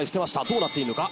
どうなっているのか？